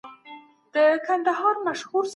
پاکوالی د ښځې عزت او روغتيا ده